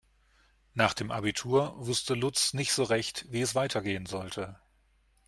Nach dem Abitur wusste Lutz nicht so recht, wie es weitergehen sollte.